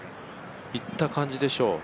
いった感じでしょう。